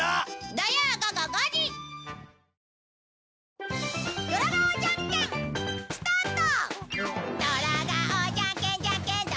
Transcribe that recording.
土曜午後５時スタート！